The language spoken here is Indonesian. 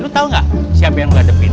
lu tau gak siapa yang ngadepin